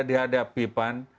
di hadapi pan